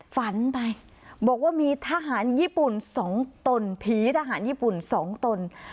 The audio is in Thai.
ฝันไปบอกว่ามีทหารญี่ปุ่น๒ตนผีทหารญี่ปุ่น๒ตน